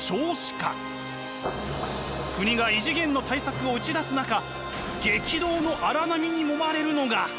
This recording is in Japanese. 国が異次元の対策を打ち出す中激動の荒波にもまれるのが。